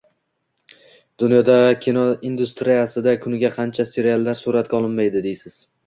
Dunyoda kinoindustriyasida kuniga qanchalar seriallar suratga olinmaydi deysiz.